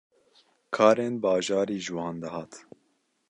karên bajarî ji wan dihat.